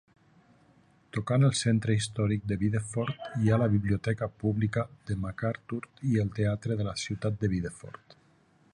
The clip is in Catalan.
Tocant al centre històric de Biddeford hi ha la Biblioteca Pública de McArthur i el Teatre de la Ciutat de Biddeford.